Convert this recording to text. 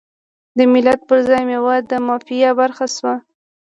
د ملت پر ځای میوه د مافیا برخه شوه.